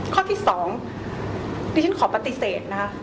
ข้อที่๒ที่ฉันขอปฏิเสธนะครับ